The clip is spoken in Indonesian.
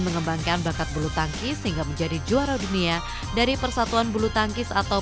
mengembangkan bakat bulu tangkis hingga menjadi juara dunia dari persatuan bulu tangkis atau